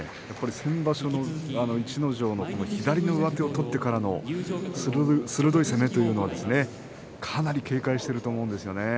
先場所の逸ノ城の左の上手を取ってからの鋭い攻めというものをかなり警戒していると思うんですよね。